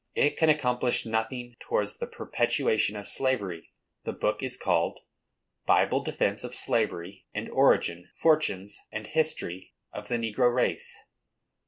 It can accomplish nothing towards the perpetuation of slavery. The book is called "Bible Defence of Slavery; and Origin, Fortunes, and History, of the Negro Race."